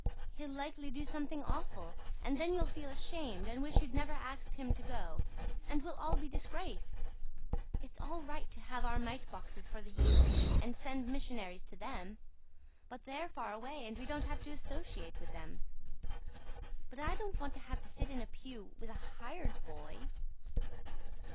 "He'll likely do something awful, and then you'll feel ashamed and wish you'd never asked him to go, and we'll all be disgraced. It's all right to have our mite boxes for the heathen, and send missionaries to them. They're far away and we don't have to associate with them. But I don't want to have to sit in a pew with a hired boy."